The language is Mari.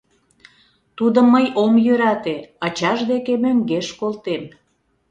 Тудым мый ом йӧрате, ачаж деке мӧҥгеш колтем...